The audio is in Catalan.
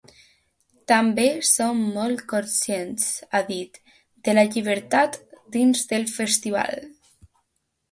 “També som molt conscients”, ha dit, “de la llibertat dins del festival.